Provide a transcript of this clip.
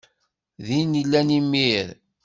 Din i llan imir?